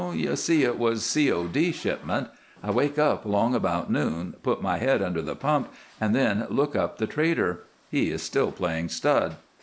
You see, it was a C. O. D. shipment. I wake up along about noon, put my head under the pump, and then look up the trader. He is still playing stud.